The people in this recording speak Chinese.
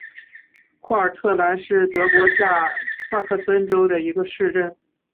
霍尔特兰是德国下萨克森州的一个市镇。